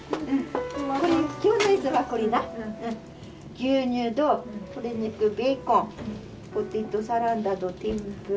牛乳と鶏肉ベーコンポテトサラダと天ぷら。